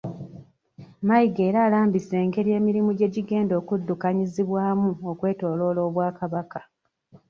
Mayiga era alambise engeri emirimu gyegigenda okuddukanyizibwamu okwetooloola Obwakabaka.